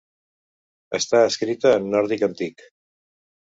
Està escrita en nòrdic antic.